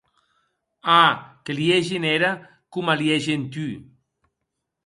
A!, que liegi en era coma liegi en tu.